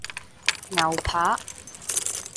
牛扒